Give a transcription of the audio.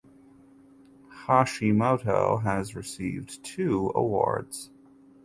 Hashimoto has received two awards.